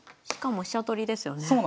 しかも飛車取りですよね。